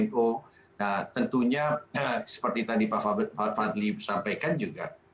nah tentunya seperti tadi pak fadli sampaikan juga